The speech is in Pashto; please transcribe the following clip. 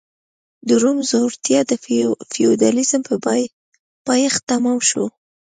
د روم ځوړتیا د فیوډالېزم په پایښت تمام شو